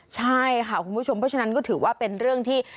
ใช่ค่ะคุณผู้ชมเพราะฉะนั้นก็ถือว่าเป็นเรื่องที่